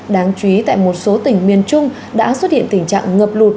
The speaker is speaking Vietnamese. đáng chú ý tại một số tỉnh miền trung đã xuất hiện tình trạng ngập lụt